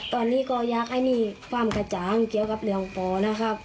ตอนนี้ก็อยากให้มีความกระจ่างเกี่ยวกับเรื่องปอนะครับ